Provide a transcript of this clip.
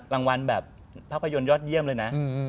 รางวัลแบบภาพยนตร์ยอดเยี่ยมเลยนะ